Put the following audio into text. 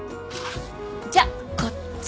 じゃあこっち。